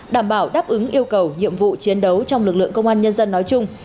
đảm bảo đáp ứng yêu cầu nhiệm vụ chiến đấu trong lực lượng công an nhân dân nói chung